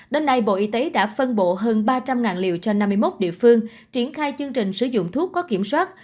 đến nay bộ y tế đã phân bộ hơn ba trăm linh liều cho năm mươi một địa phương triển khai chương trình sử dụng thuốc có kiểm soát